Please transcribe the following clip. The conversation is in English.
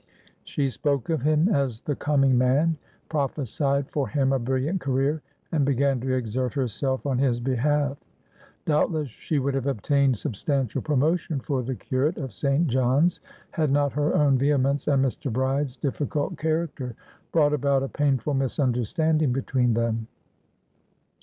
She spoke of him as "the coming man," prophesied for him a brilliant career, and began to exert herself on his behalf. Doubtless she would have obtained substantial promotion for the curate of St. John's, had not her own vehemence and Mr. Bride's difficult character brought about a painful misunderstanding between them.